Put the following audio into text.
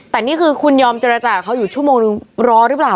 แต่นี่คือคุณยอมเจรจากับเขาอยู่ชั่วโมงนึงรอหรือเปล่า